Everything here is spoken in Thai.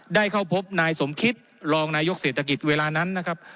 ได้เข้าพบนายสมคิตรองนายกเศรษฐกิจเวลานั้นนะครับ